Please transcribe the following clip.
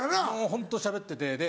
ホントしゃべってて。